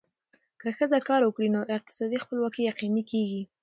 که ښځه کار وکړي، نو اقتصادي خپلواکي یقیني کېږي.